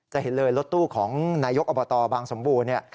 จะเห็นเลยรถตู้ของนายกอบตบางสมบูรณ์เนี่ย